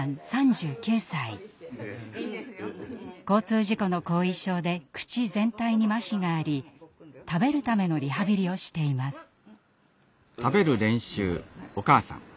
交通事故の後遺症で口全体にまひがあり食べるためのリハビリをしています。